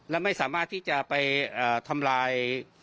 และไม่สามารถที่จะไปทำลาย